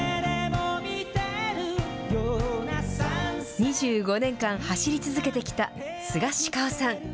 ２５年間走り続けてきたスガシカオさん。